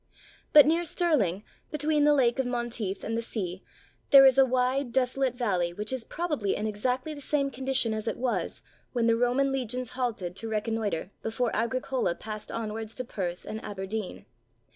But near Stirling, between the Lake of Monteith and the sea, there is a wide, desolate valley which is probably in exactly the same condition as it was when the Roman legions halted to reconnoitre before Agricola passed onwards to Perth and Aberdeen.